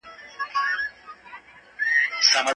ډیپلوماټیک ځوابونه باید په لوړ اخلاقو وي.